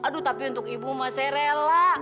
aduh tapi untuk ibu mah saya rela